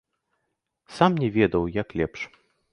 Сам не ведаў, як лепш.